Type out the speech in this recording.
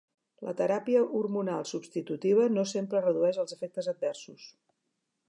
La teràpia hormonal substitutiva no sempre redueix els efectes adversos.